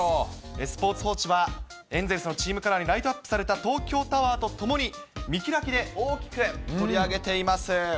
スポーツ報知は、エンゼルスのチームカラーにライトアップされた東京タワーとともに、見開きで大きく取り上げています。